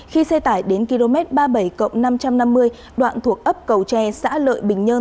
khi xe tải đến km ba mươi bảy năm trăm năm mươi đoạn thuộc ấp cầu tre xã lợi bình nhơn